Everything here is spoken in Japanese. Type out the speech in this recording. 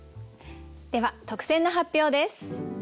では特選の発表です。